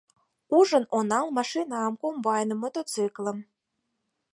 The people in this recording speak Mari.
Ужын онал машинам, комбайным, мотоциклым.